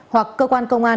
hoặc cơ quan công an